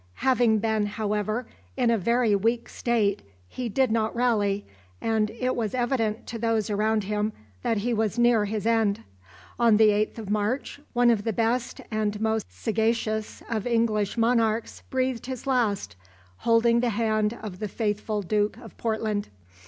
Having been, however, in a very weak state, he did not rally, and it was evident to those around him that he was near his end. On the 8th of March one of the best and most sagacious of English monarchs breathed his last, holding the hand of the faithful Duke of Portland.